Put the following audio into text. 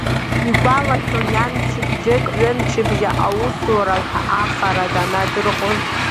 Игәалашәон иан мчыбжьык ҩымчыбжьа аусура ҳәа ахара данадырхоз.